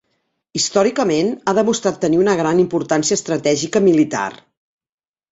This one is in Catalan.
Històricament, ha demostrat tenir una gran importància estratègica militar.